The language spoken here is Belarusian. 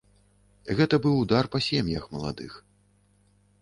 Гэта быў удар па сем'ях маладых.